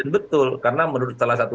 betul karena menurut salah satu